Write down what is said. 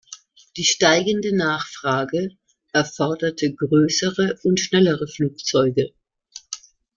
Die steigende Nachfrage erforderte größere und schnellere Flugzeuge.